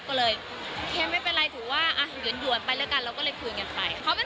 ก็เลยโอเคไม่เป็นไรถือว่าหยุดไปแล้วก็เลยคืนกันไป